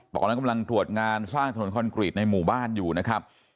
ตอนนั้นกำลังตรวจงานสร้างถนนคอนกรีตในหมู่บ้านอยู่นะครับ